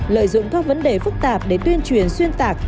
lợi dụng các vấn đề phức tạp để tuyên truyền xuyên tạc